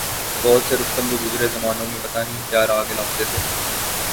بہت سے رستم جو گزرے زمانوں میں پتہ نہیں کیا راگ الاپتے تھے۔